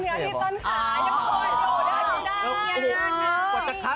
ไม่หนีได้